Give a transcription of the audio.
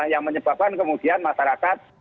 yang menyebabkan kemudian masyarakat